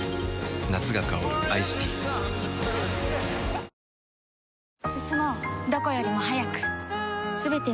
夏が香るアイスティーあっ！！！え？？